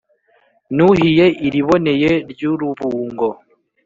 Nuhiye iliboneye ry’urubungo,